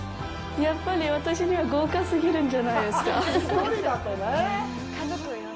やっぱり、私には豪華すぎるんじゃないですか。